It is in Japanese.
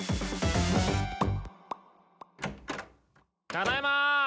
ただいま。